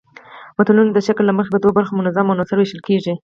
متلونه د شکل له مخې په دوو برخو منظوم او منثور ویشل کیږي